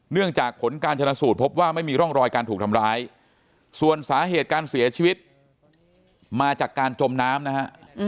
จากผลการชนะสูตรพบว่าไม่มีร่องรอยการถูกทำร้ายส่วนสาเหตุการเสียชีวิตมาจากการจมน้ำนะฮะ